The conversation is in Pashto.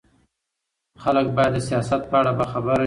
خلک باید د سیاست په اړه باخبره وي